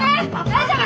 大丈夫？